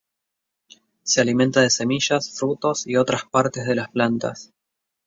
Se alimenta de semillas, frutos y otras partes de las plantas.